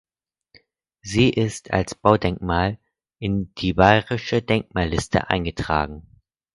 Sie ist als Baudenkmal in die Bayerische Denkmalliste eingetragen.